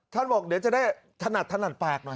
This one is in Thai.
ท่านบอกเดี๋ยวจะได้ถนัดแปลกหน่อย